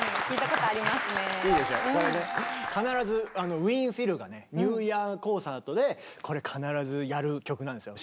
これね必ずウィーン・フィルがねニューイヤーコンサートでこれ必ずやる曲なんですよ。